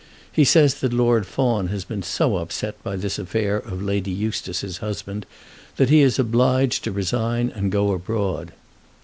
He says that Lord Fawn has been so upset by this affair of Lady Eustace's husband, that he is obliged to resign and go abroad.